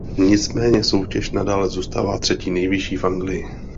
Nicméně soutěž nadále zůstala třetí nejvyšší v Anglii.